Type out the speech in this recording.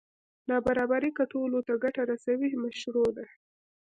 نابرابري که ټولو ته ګټه رسوي مشروع ده.